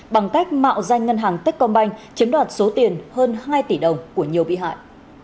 bằng cách mạo danh ngân hàng tết công banh chiếm đoạt số tiền hơn hai tỷ đồng của nhiều bị hại